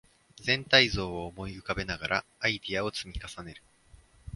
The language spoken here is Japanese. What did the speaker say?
全体像を思い浮かべながらアイデアを積み重ねる